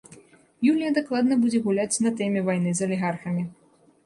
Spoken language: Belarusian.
Юлія дакладна будзе гуляць на тэме вайны з алігархамі.